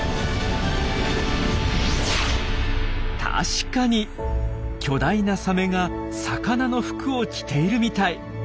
確かに巨大なサメが魚の服を着ているみたい。